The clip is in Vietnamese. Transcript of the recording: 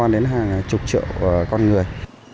đến hàng chục triệu con người